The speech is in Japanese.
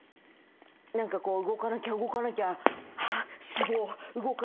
何かこう「動かなきゃ動かなきゃあっ脂肪動かなきゃ。